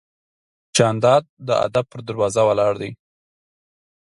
جانداد د ادب په دروازه ولاړ دی.